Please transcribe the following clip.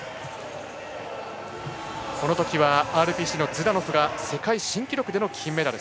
このときはＲＰＣのズダノフが世界新記録での金メダル。